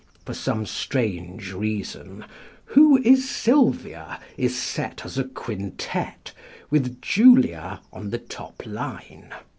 For some strange reason, "Who is Sylvia?" is set as a quintet, with Julia on the top line.